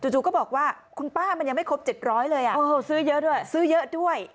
จู่ก็บอกว่าคุณป้ามันยังไม่ครบ๗๐๐เลยซื้อเยอะด้วยซื้อเยอะด้วย